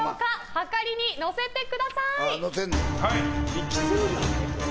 はかりに乗せてください。